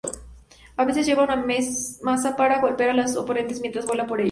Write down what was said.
A veces lleva una maza para golpear a los oponentes mientras vuela por ellos.